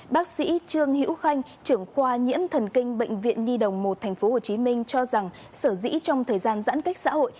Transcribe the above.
bác sĩ trương hữu khanh trưởng khoa nhiễm thần kinh bệnh viện nhi đồng một tp hcm cho rằng sở dĩ trong thời gian giãn cách xã hội